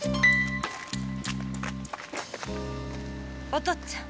お父っつぁん！